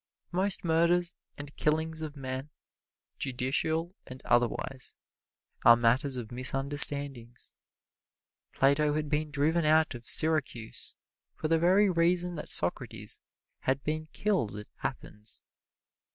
Most murders and killings of men, judicial and otherwise, are matters of misunderstandings. Plato had been driven out of Syracuse for the very reasons that Socrates had been killed at Athens.